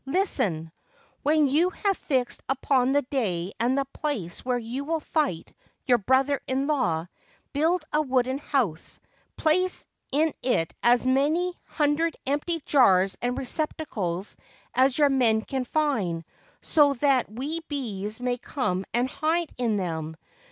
Listen ! When you have fixed upon the day and the place where you will fight your brother in law, build a wooden house, place in it as many hundred empty jars and receptacles as your men can find, so that we bees 117 Ancient Tales and Folklore of Japan may come and hide in them.